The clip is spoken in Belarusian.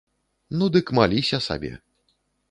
Ну дык маліся сабе.